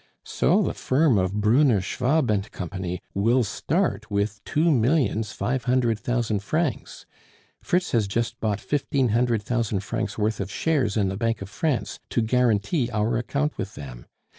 So the firm of Brunner, Schwab and Company will start with two millions five hundred thousand francs. Fritz has just bought fifteen hundred thousand francs' worth of shares in the Bank of France to guarantee our account with them.